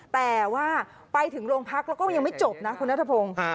แต่ว่าไปถึงโรงพักแล้วก็ยังไม่จบนะคุณนัทพงศ์